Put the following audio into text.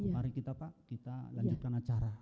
mari kita pak kita lanjutkan acara